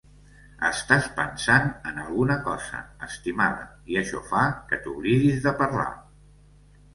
"Estàs pensant en alguna cosa, estimada, i això fa que t'oblidis de parlar.